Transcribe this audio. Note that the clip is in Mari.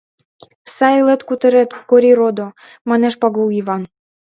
— Сай илет-кутырет, Кори родо! — манеш Пагул Йыван.